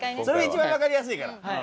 それが一番わかりやすいから。